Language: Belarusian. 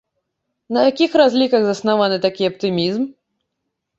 На якіх разліках заснаваны такі аптымізм?